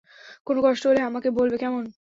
কোনো কষ্ট হলে আমাকে বলবে, কেমন?